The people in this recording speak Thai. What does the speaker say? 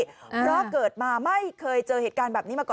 เพราะเกิดมาไม่เคยเจอเหตุการณ์แบบนี้มาก่อน